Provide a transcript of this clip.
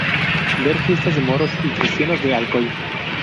Ver las fiestas de Moros y Cristianos de Alcoy